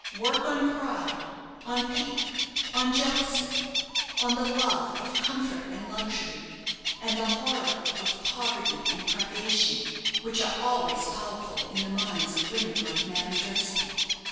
Work on pride, on pique, on jealousy, on the love of comfort and luxury, and the horror of poverty and privation, which are always powerful in the minds of women like Madame Durski.